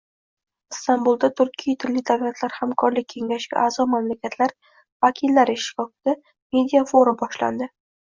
Istanbulda Turkiy tilli davlatlar hamkorlik kengashiga a’zo mamlakatlar vakillari ishtirokida media-forum boshlandi